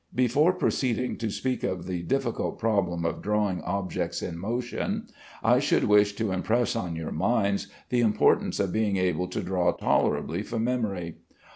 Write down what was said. Before proceeding to speak of the difficult problem of drawing objects in motion, I should wish to impress on your minds the importance of being able to draw tolerably from memory.